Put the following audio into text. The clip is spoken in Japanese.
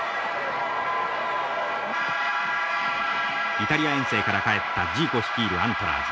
イタリア遠征から帰ったジーコ率いるアントラーズ。